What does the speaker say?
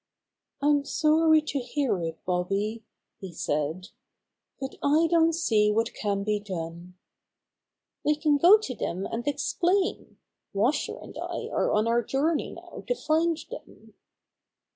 "I'm sorry to hear it, Bobby," he said, "but I don't see what can be done." "We can go to them and explain. Washer and I are on our journey now to find them."